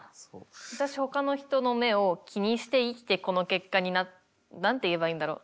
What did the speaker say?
私ほかの人の目を気にして生きてこの結果に何て言えばいいんだろう。